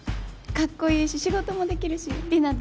かっこいいし仕事もできるしリナ